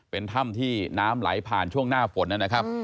เป็นถ้ำที่น้ำไหลผ่านช่วงหน้าฝนนะครับ